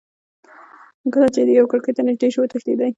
کله چې دېو کړکۍ ته نیژدې شو وتښتېدی.